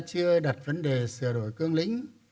chưa đặt vấn đề sửa đổi cương lĩnh